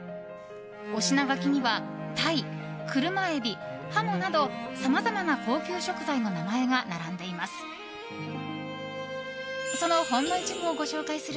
お品書きにはタイ、車エビ、ハモなどさまざまな高級食材の名前が並んでいます。